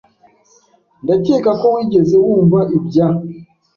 Ndakeka ko wigeze wumva ibya .